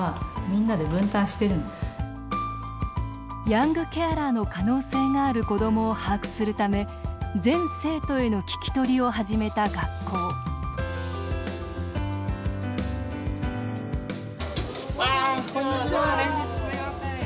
ヤングケアラーの可能性がある子どもを把握するため全生徒への聞き取りを始めた学校こんにちは。